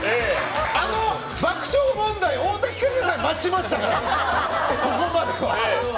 あの爆笑問題、太田光さんも待ちましたから、ここまでは。